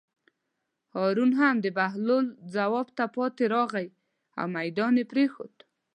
هارون هم د بهلول ځواب ته پاتې راغی او مېدان یې پرېښود.